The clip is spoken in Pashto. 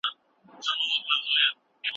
د پانګې بندېدل اقتصاد ته زیان رسوي.